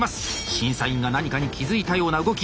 審査委員が何かに気付いたような動き。